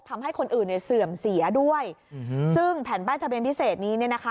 ทำให้คนอื่นเนี่ยเสื่อมเสียด้วยซึ่งแผ่นป้ายทะเบียนพิเศษนี้เนี่ยนะคะ